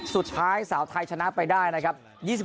สุดท้ายสาวไทยชนะไปได้นะครับ